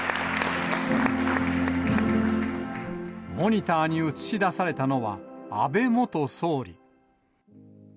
モニターに映し出されたのは、安倍元総理。